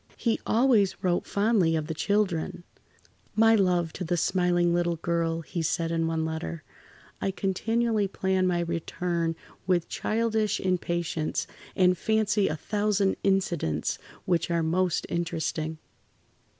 He always wrote fondly of the children: "My love to the smiling little girl," he said in one letter. "I continually plan my return with childish impatience, and fancy a thousand incidents which are most interesting."